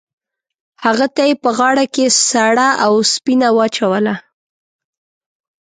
هغه ته یې په غاړه کې سړه اوسپنه واچوله.